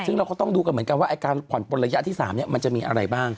ซึ่งเราก็ต้องดูกันเหมือนกันว่าการผ่อนปนระยะที่๓มันจะมีอะไรบ้าง